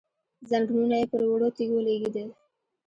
ځنګنونه يې پر وړو تيږو ولګېدل،